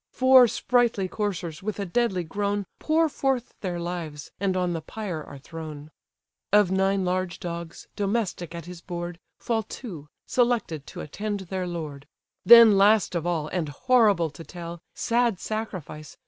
Four sprightly coursers, with a deadly groan Pour forth their lives, and on the pyre are thrown. Of nine large dogs, domestic at his board, Fall two, selected to attend their lord, Then last of all, and horrible to tell, Sad sacrifice!